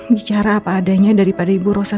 bicara apa adanya daripada ibu rosa